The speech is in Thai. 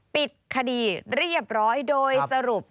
ปิดคดีเรียบร้อยโดยสรุป